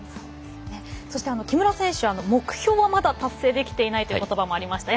そして木村選手は目標はまだ達成できていないということばもありました。